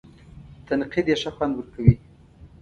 تنقید یې ښه خوند ورکوي.